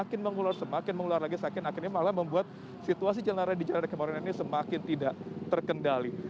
makin mengulur semakin mengulur lagi sakit akhirnya malah membuat situasi di jalan jalan kemarin ini semakin tidak terkendali